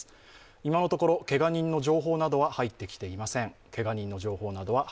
今のところ、けが人の情報などは入ってきていません。